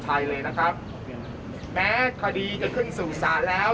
อิตเตอเรียนไทยเลยนะครับแม้คดีจะขึ้นสู่ศาลแล้ว